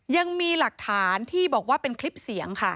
ยังมีหลักฐานที่บอกว่าเป็นคลิปเสียงค่ะ